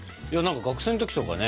学生の時とかね